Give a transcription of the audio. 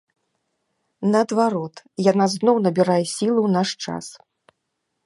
Наадварот, яна зноў набірае сілу ў наш час.